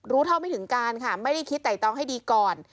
เท่าไม่ถึงการค่ะไม่ได้คิดไต่ตองให้ดีก่อน